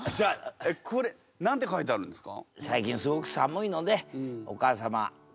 これ何て書いてあるんですか？